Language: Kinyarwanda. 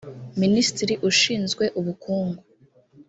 Minisitiri ushinzwe Ubukungu